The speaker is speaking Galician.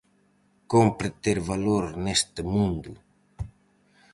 Cómpre ter valor neste mundo!